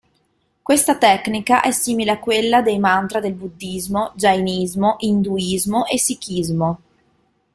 Questa tecnica è simile a quella dei mantra del Buddhismo, Giainismo, Induismo e Sikhismo.